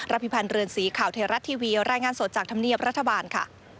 พิพันธ์เรือนสีข่าวไทยรัฐทีวีรายงานสดจากธรรมเนียบรัฐบาลค่ะ